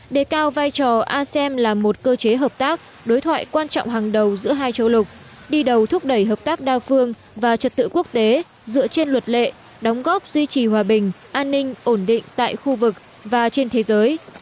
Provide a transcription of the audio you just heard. đề cao vai trò asem là một cơ chế hợp tác đối thoại quan trọng hàng đầu giữa hai châu lục đi đầu thúc đẩy hợp tác đa phương và trật tự quốc tế dựa trên luật lệ đóng góp duy trì hòa bình an ninh ổn định tại khu vực và trên thế giới